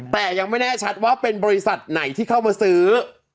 แต่ยังไม่แน่ชัดว่าเป็นบริษัทไหนที่เข้ามาซื้อ